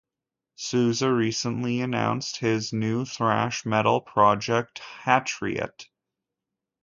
Souza recently announced his new thrash metal project, Hatriot.